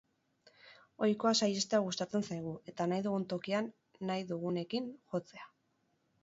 Ohikoa saihestea gustatzen zaigu, eta nahi dugun tokian nahi dugunekin jotzea.